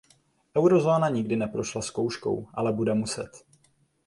Eurozóna nikdy neprošla zkouškou, ale bude muset.